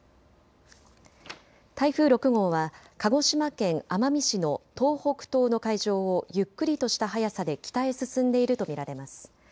台風６号は鹿児島県奄美市の東北東の海上をゆっくりとした速さで北へ進んでいると見られます。